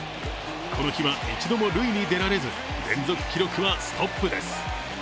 この日は一度も塁に出られず連続記録はストップです。